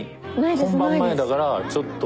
本番前だからちょっと。